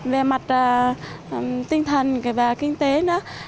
về mặt tinh thần và kinh tế nữa